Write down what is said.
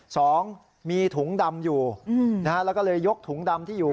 สองมีถุงดำอยู่นะฮะแล้วก็เลยยกถุงดำที่อยู่